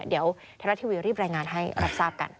เดี๋ยวไทยรัฐทีวีรีบรายงานให้รับทราบกัน